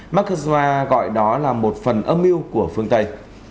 makhazo gọi đó là một phần âm mưu của phương tây